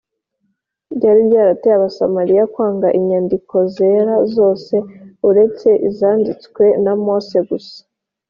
byari byarateye Abasamariya kwanga inyandiko zera zose uretse izanditswe na Mose gusa